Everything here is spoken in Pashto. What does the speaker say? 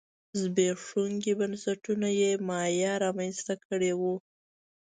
زبېښونکي بنسټونه چې مایا رامنځته کړي وو